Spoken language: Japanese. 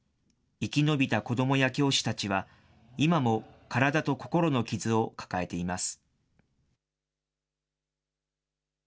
生き延びた子どもや教師たちは、今も体と心の傷を抱えています。